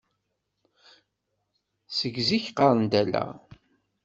Seg zik qqareɣ-d ala.